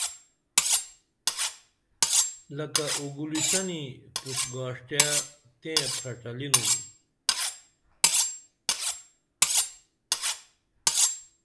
لکہ اُگولی سنی پُش گاݜٹیہ تیں پھرڇھلینُن